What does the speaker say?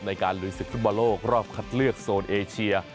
ในการหลุยศิษย์ฟุตบอลโลกรอบคัดเลือกโซนเอเชีย